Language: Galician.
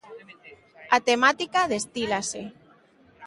A temática destílase.